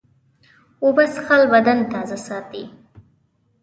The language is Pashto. اوبه څښل بدن تازه ساتي.